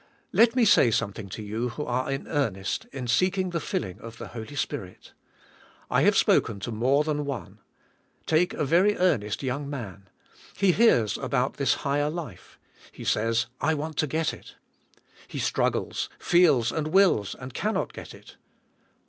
Let me say something to you who are in earnest in seeking the filling of the Holy Spirit. I have spoken to more than one. Take a very earnest young man. He hears about this hig her life. He says, "I want to g et it;" he strugg les, feels, and wills and cannot g et it.